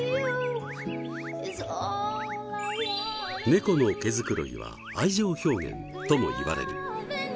猫の毛繕いは愛情表現ともいわれる。